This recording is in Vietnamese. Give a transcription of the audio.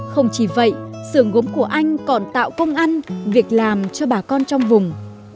không chỉ vậy sườn gốm của anh còn tạo công ăn việc làm cho bà con trong vùng